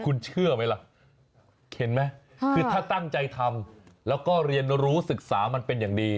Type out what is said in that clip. คุณเชื่อไหมล่ะเห็นไหมคือถ้าตั้งใจทำแล้วก็เรียนรู้ศึกษามันเป็นอย่างดี